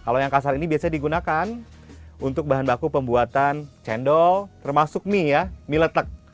kalau yang kasar ini biasanya digunakan untuk bahan baku pembuatan cendol termasuk mie ya mie letek